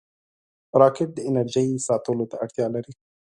راکټ د انرژۍ ساتلو ته اړتیا لري